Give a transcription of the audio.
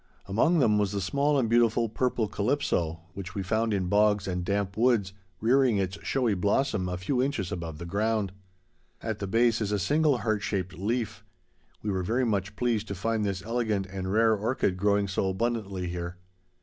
Among them was the small and beautiful, purple Calypso, which we found in bogs and damp woods, rearing its showy blossom a few inches above the ground. At the base is a single heart shaped leaf. We were very much pleased to find this elegant and rare orchid growing so abundantly here.